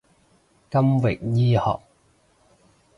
金域醫學